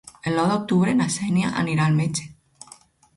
El nou d'octubre na Xènia anirà al metge.